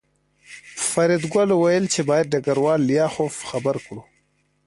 فریدګل وویل چې باید ډګروال لیاخوف خبر کړو